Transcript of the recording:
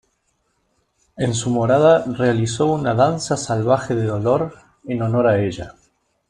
En su morada realizó una danza salvaje de dolor, en honor a ella.